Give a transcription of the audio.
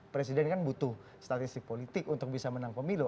presiden kan butuh statistik politik untuk bisa menang pemilu